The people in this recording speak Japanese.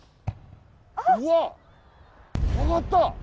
うわっ上がった！